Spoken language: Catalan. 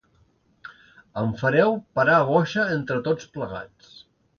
Em fareu parar boja entre tots plegats!